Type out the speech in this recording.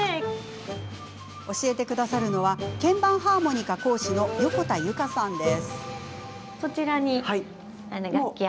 教えてくださるのは鍵盤ハーモニカ講師の横田優花さんです。